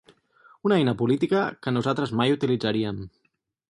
Una eina política, que nosaltres mai utilitzaríem.